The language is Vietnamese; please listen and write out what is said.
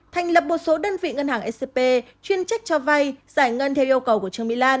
thành lập một số đơn vị ngân hàng scp chuyên trách cho vay giải ngân theo yêu cầu của trương mỹ lan